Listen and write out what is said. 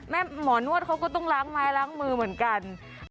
หมอนวดเขาก็ต้องล้างไม้ล้างมือเหมือนกัน